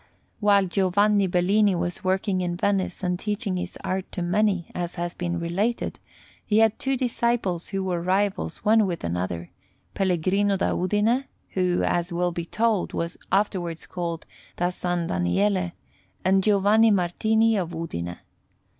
While Giovanni Bellini was working in Venice and teaching his art to many, as has been related, he had two disciples who were rivals one with another Pellegrino da Udine, who, as will be told, was afterwards called Da San Daniele, and Giovanni Martini of Udine.